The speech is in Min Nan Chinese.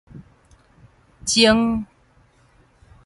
舂